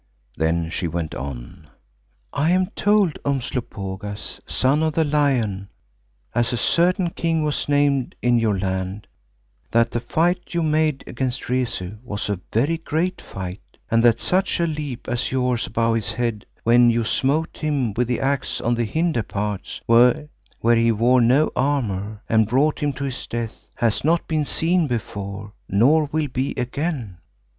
Then she went on, "I am told, Umslopogaas, Son of the Lion, as a certain king was named in your land, that the fight you made against Rezu was a very great fight, and that such a leap as yours above his head when you smote him with the axe on the hinder parts where he wore no armour, and brought him to his death, has not been seen before, nor will be again."